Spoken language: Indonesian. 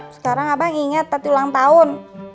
sekarang abang inget tapi ulang tahun